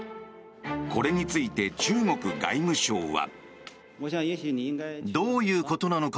これについて、中国外務省は。